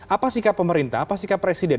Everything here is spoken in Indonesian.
apa sikap pemerintah apa sikap presiden